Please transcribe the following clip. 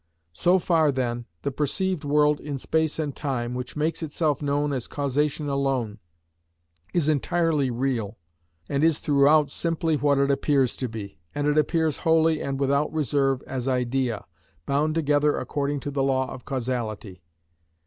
So far then, the perceived world in space and time, which makes itself known as causation alone, is entirely real, and is throughout simply what it appears to be, and it appears wholly and without reserve as idea, bound together according to the law of causality.